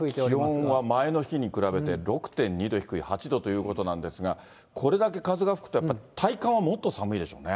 気温は前の日に比べて６．２度低い８度ということなんですが、これだけ風が吹くと、やっぱ体感はもっと寒いでしょうね。